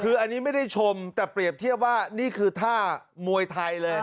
คืออันนี้ไม่ได้ชมแต่เปรียบเทียบว่านี่คือท่ามวยไทยเลย